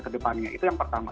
kedepannya itu yang pertama